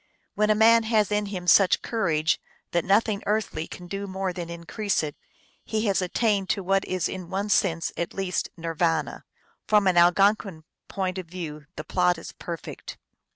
When a man has in him such cour age that nothing earthly can do more than increase it, he has attained to what is in one sense at least Nir vana. From an Algonquin point of view the plot is perfect.